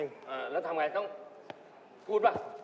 แล้วทำอย่างไรต้องพูดไหม